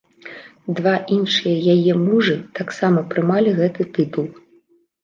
Два іншыя яе мужы таксама прымалі гэты тытул.